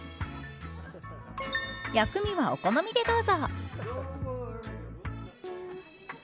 薬味は、お好みでどうぞ。